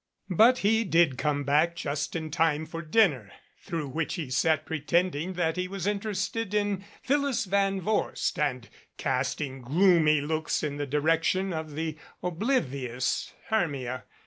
But he did come back just in time for dinner, through which he sat pretending that he was in terested in Phyllis Van Vorst and casting gloomy looks in the direction of the oblivious Hermia.